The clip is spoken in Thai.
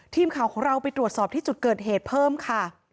ทีมข่าวของเราไปตรวจสอบที่จุดเกิดเหตุเพิ่มค่ะ